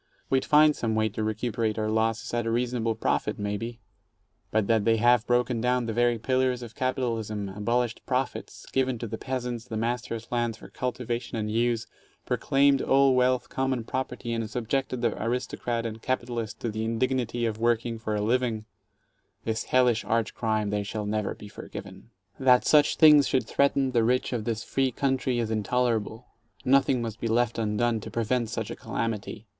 We'd find some way to recuperate our losses, at a reasonable profit, maybe. But that they have broken down the very pillars of capitalism, abolished profits, given to the peasants the masters' lands for cultivation and use, pro claimed all wealth common property, and subjected the aristocrat and capitalist to the indignity of working for a living — this hellish arch crime they shall never be forgiven. That such things should threaten the rich men of this free coun try is intolerable. Nothing must be left undone to prevent such a calamity.